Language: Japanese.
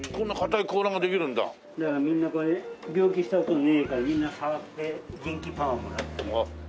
だからみんなこれ病気した事ねえからみんな触って元気パワーもらってる。